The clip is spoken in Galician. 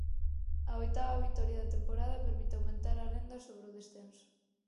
A oitava vitoria da temporada permite aumentar a renda sobre o descenso.